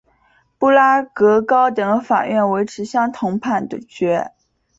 布拉格高等法院维持相同判决。